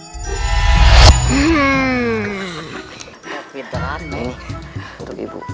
tapi terlalu ini untuk ibu